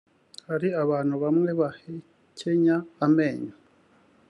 Hari abantu bamwe bahekenya amenyo